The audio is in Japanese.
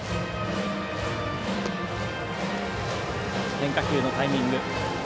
変化球のタイミング。